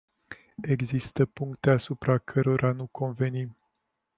Există puncte asupra cărora nu convenim.